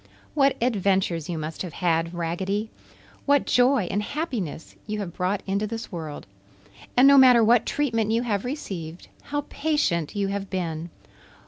What adventures you must have had, Raggedy! What joy and happiness you have brought into this world! And no matter what treatment you have received, how patient you have been!